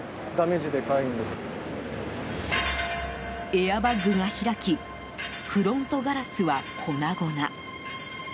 エアバッグが開きフロントガラスは粉々。